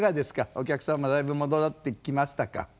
お客様だいぶ戻ってきましたか？